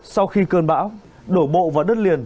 sau khi cơn bão đổ bộ vào đất liền